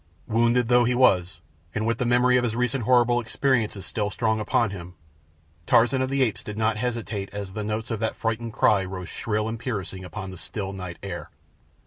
Wounded though he was, and with the memory of his recent horrible experience still strong upon him, Tarzan of the Apes did not hesitate as the notes of that frightened cry rose shrill and piercing upon the still night air.